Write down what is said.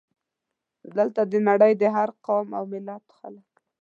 دلته د نړۍ د هر قوم او ملت خلک.